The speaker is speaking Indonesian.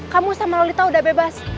kamu sama lolita udah bebas